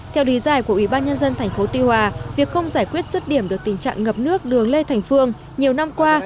theo đí dạy của ủy ban nhân dân tp tuy hòa việc không giải quyết sức điểm được tình trạng ngập nước đường lê thành phương nhiều năm qua